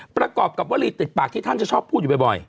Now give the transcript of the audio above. ประกอบกับวลีติดปากที่ท่านจะชอบพูดอยู่บ่อย